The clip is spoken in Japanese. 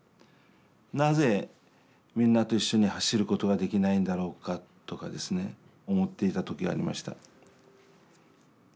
なぜみんなと一緒に走ることができないんだろうかとかですね思っていた時がありました。